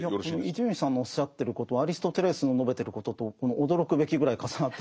伊集院さんのおっしゃってることアリストテレスの述べてることと驚くべきぐらい重なってるところがあって。